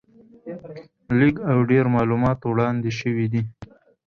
لږ او ډېر معلومات وړاندې شوي دي.